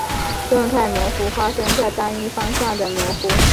动态模糊发生在单一方向的模糊。